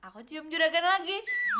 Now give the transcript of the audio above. aku cium juragan lagi